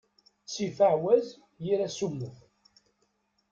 Ttif ɛawaz, yir asummet.